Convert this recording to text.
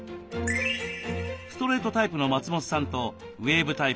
ストレートタイプの松本さんとウエーブタイプの渡部さん。